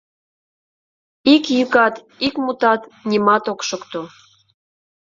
Ик йӱкат, ик мутат — нимат ок шокто...